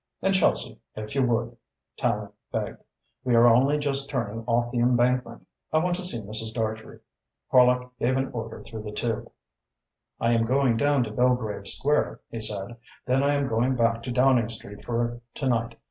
"In Chelsea, if you would," Tallente begged. "We are only just turning off the Embankment. I want to see Mrs. Dartrey." Horlock gave an order through the tube. "I am going down to Belgrave Square," he said, "then I am going back to Downing Street for to night.